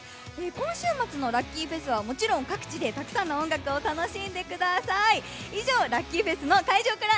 今週末のＬｕｃｋｙＦｅｓ’はもちろん各地でたくさんの音楽を楽しんでください。